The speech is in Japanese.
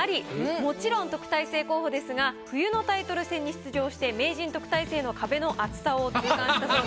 もちろん特待生候補ですが冬のタイトル戦に出場して名人・特待生の壁の厚さを痛感したそうです。